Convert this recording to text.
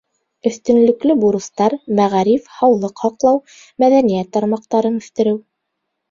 — Өҫтөнлөклө бурыстар — мәғариф, һаулыҡ һаҡлау, мәҙәниәт тармаҡтарын үҫтереү.